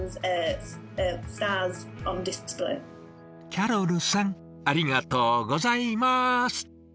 キャロルさんありがとうございます！